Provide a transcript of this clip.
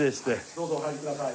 どうぞお入りください。